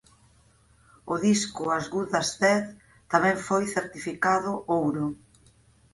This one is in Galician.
O disco "As Good As Dead" tamén foi certificado ouro.